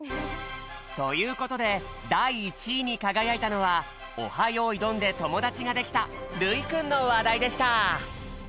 ということでだい１位にかがやいたのは「オハ！よいどん」でともだちができたるいくんのわだいでした！